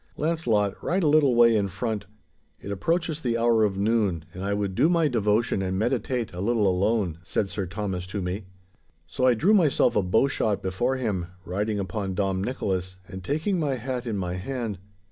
'Launcelot, ride a little way in front. It approaches the hour of noon, and I would do my devotion and meditate a little alone,' said Sir Thomas to me. So I drew myself a bowshot before him, riding upon Dom Nicholas, and taking my hat in my hand.